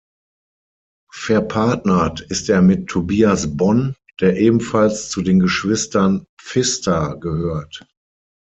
Verpartnert ist er mit Tobias Bonn, der ebenfalls zu den Geschwistern Pfister gehört.